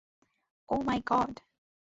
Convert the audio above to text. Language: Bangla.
Oh my god!